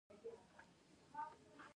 رومي بانجان په بغلان کې کیږي